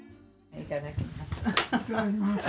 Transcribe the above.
いただきます。